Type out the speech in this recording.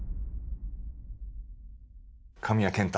神谷健太。